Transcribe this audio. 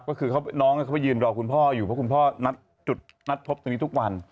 ก็คือน้องเขาไปยืนรอคุณพ่ออยู่เพราะคุณพ่อนัดจุดนัดพบตรงนี้ทุกวัน